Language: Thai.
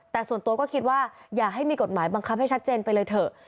แต่ส่วนตัวก็คิดว่าอย่าให้มีกฎหมายบังคับให้ชัดเจนไปเลยเถอะ